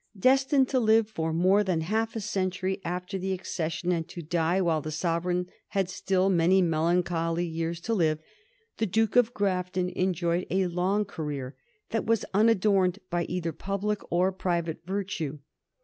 Destined to live for more than half a century after the accession, and to die while the sovereign had still many melancholy years to live, the Duke of Grafton enjoyed a long career, that was unadorned by either public or private virtue.